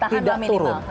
bertahan dalam minimal